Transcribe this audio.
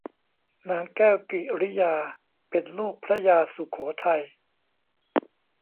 นางแก้วกิริยาเป็นลูกพระยาสุโขทัย